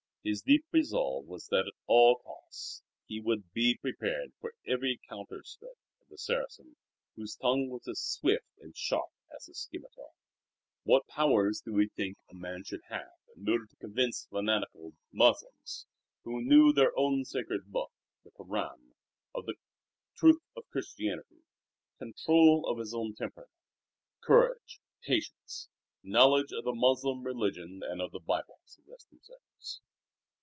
His deep resolve was that at all costs he would "Be Prepared" for every counter stroke of the Saracen whose tongue was as swift and sharp as his scimitar. What powers do we think a man should have in order to convince fanatical Moslems, who knew their own sacred book the Koran of the truth of Christianity? Control of his own temper, courage, patience, knowledge of the Moslem religion and of the Bible, suggest themselves.